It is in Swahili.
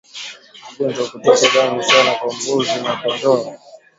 Ugonjwa wa kutokwa damu sana kwa mbuzi na kondoo